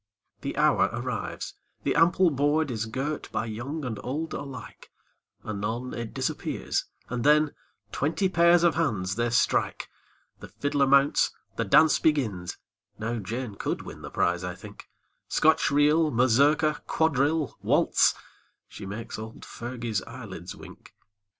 The hour arrives, the ample board Is girt by young and old alike, Anon it disappears, and then Twenty pairs of hands they strike, The fiddler mounts, the dance begins, Now Jane could win the prize, I think, Scotch reel, mazurka, quadrille, waltz, She make's old Fergie's eyelids wink.